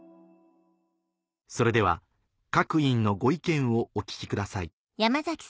それでは各委員のご意見をお聞きください